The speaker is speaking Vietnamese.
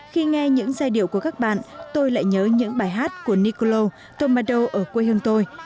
khi nghe những giai điệu của các bạn tôi lại nhớ những bài hát của nikollo tomado ở quê hương tôi